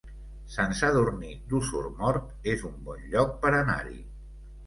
Sant Sadurní d'Osormort es un bon lloc per anar-hi